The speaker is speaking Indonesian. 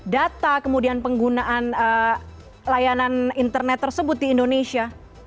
data kemudian penggunaan layanan internet tersebut di indonesia